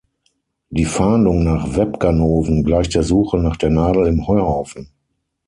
Die Fahndung nach Webganoven gleicht der Suche nach der Nadel im Heuhaufen.